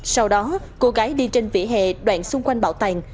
sau đó cô gái đi trên vỉa hè đoạn xung quanh bảo tàng